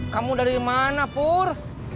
kamu dari mana pur